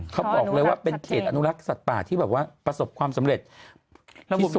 เขาบอกเลยว่าเป็นเกตอนุรักษ์สัตว์ป่าที่ประสบความสำเร็จที่สุด